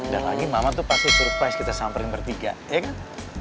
dan lagi mama tuh pasti surprise kita samperin bertiga ya kan